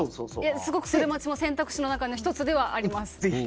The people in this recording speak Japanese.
すごくそれも選択肢の中の１つでもあります。